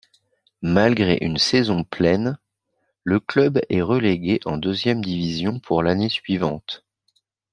Malgré une saison pleine, le club est relégué en deuxième division pour l'année suivante.